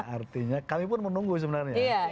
artinya kami pun menunggu sebenarnya